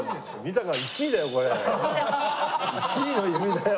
１位の指だよ